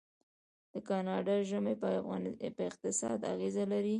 د کاناډا ژمی په اقتصاد اغیز لري.